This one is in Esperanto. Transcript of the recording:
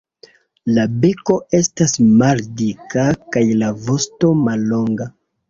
La beko estas maldika kaj la vosto mallonga.